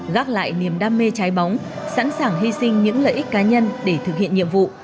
gác lại niềm đam mê trái bóng sẵn sàng hy sinh những lợi ích cá nhân để thực hiện nhiệm vụ